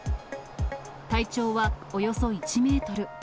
体長はおよそ１メートル。